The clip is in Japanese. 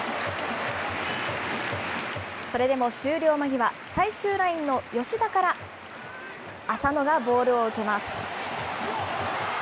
それでも終了間際、最終ラインの吉田から、浅野がボールを受けます。